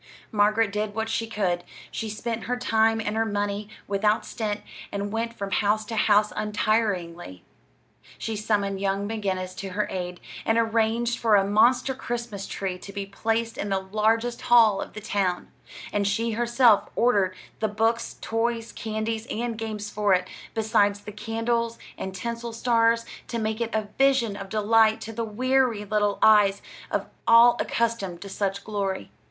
Margaret did what she could. She spent her time and her money without stint, and went from house to house untiringly. She summoned young McGinnis to her aid, and arranged for a monster Christmas tree to be placed in the largest hall in town; and she herself ordered the books, toys, candies, and games for it, besides the candles and tinsel stars to make it a vision of delight to the weary little eyes all unaccustomed to such glory.